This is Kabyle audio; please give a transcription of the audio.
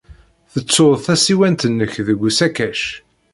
Tettud tasiwant-nnek deg usakac.